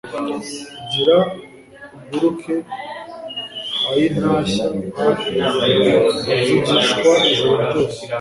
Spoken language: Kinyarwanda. Gira uguruke ayintashya» Avugishwa ijoro ryose